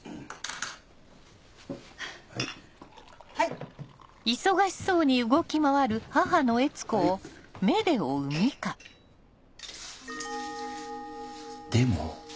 はいはいでも。